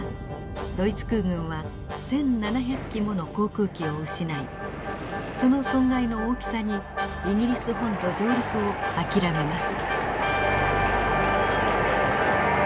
ドイツ空軍は１，７００機もの航空機を失いその損害の大きさにイギリス本土上陸を諦めます。